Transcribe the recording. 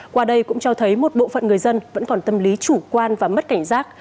qua đây cũng cho thấy một bộ phận người dân vẫn còn tâm lý chủ quan và mất cảnh giác